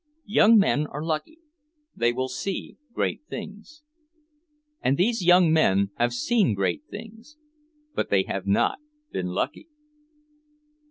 "Young men are lucky. They will see great things." And these young men have seen great things. But they have not been lucky.